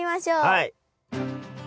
はい！